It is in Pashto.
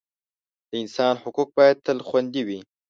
د انسان حقوق باید تل خوندي وي.